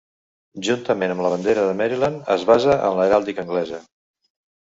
Juntament amb la bandera de Maryland, es basa en l'heràldica anglesa.